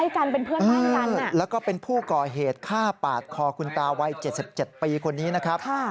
ต่อคุณตาวัย๗๗ปีคนนี้นะครับ